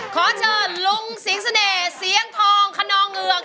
ขอเจอลุงสิงสะเนยเสียงทองคนนองเหลือก